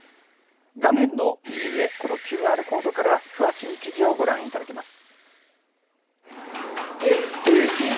画面の右上のＱＲコードから詳しい記事をご覧いただけます。